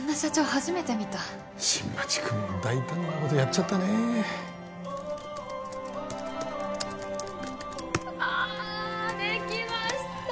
初めて見た新町君も大胆なことやっちゃったねあできました